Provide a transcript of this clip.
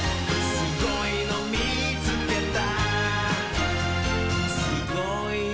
「すごいのみつけた」